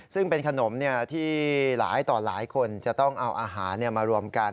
ซึ่งเป็นขนมที่หลายต่อหลายคนจะต้องเอาอาหารมารวมกัน